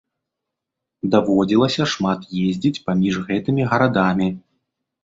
Даводзілася шмат ездзіць паміж гэтымі гарадамі.